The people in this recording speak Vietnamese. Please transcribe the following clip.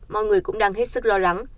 mọi người cũng đang hết sức lo lắng